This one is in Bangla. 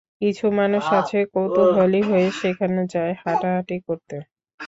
কিছু মানুষ আছে কৌতুহলী হয়ে সেখানে যায়, হাঁটাহাঁটি করতে।